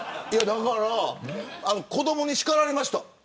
子どもに叱られました。